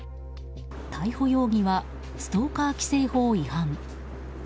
逮捕容疑はストーカー規制法違反。